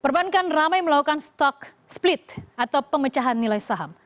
perbankan ramai melakukan stock split atau pemecahan nilai saham